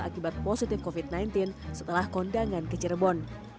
akibat positif covid sembilan belas setelah kondangan ke cirebon